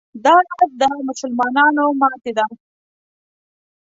دا راز د مسلمانانو ماتې ده.